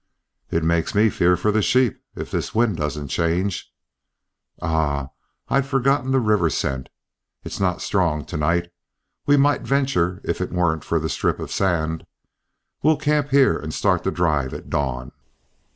"It makes me fear for the sheep, if this wind doesn't change." "Ah! I had forgotten the river scent. It's not strong to night. We might venture if it wasn't for the strip of sand. We'll camp here and start the drive at dawn."